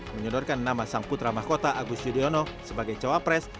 menyodorkan nama sang putra mahkota agus yudhoyono sebagai cawapres